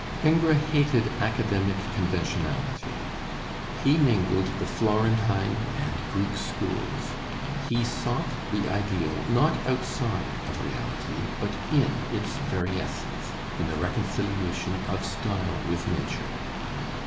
Ingres hated academic conventionality; he mingled the Florentine and Greek schools; he sought the ideal not outside of reality but in its very essence, in the reconciliation of style with nature.